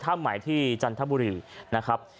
ใหม่ที่จันทบุรีนะครับ